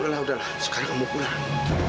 udah lah udah lah sekarang kamu pulang